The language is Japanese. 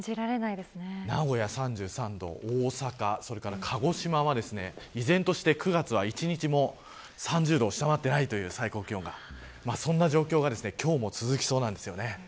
名古屋３３度大阪、鹿児島は依然として、９月は１日も３０度を下回っていないそんな状況が今日も続きそうです。